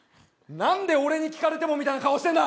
なんで俺に聞かれてもみたいな顔してるんだ！